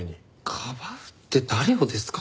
かばうって誰をですか？